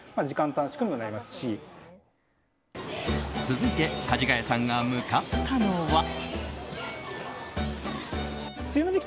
続いて、かじがやさんが向かったのは。